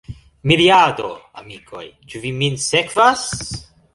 Miriado, amikoj, ĉu vi min sekvas?